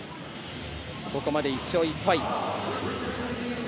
ここまで１勝１敗。